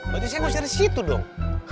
berarti saya ngusir disitu dong